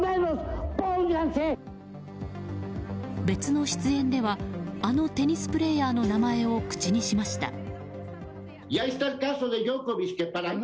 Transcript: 別の出演ではあのテニスプレーヤーの名前を口にしました。